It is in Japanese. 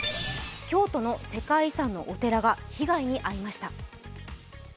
京都の世界遺産のお寺が被害に遭いました。